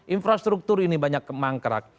infrastruktur ini banyak kemangkrak